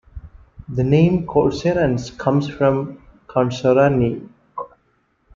The name Couserans comes from "Consoranni".